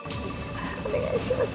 お願いします